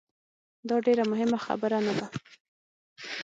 داډیره مهمه خبره نه ده